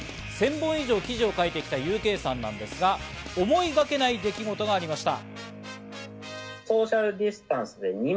１０００本以上記事を書いてきたＵＫさんですが、思いがけない出来事がありました。